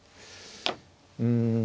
うん。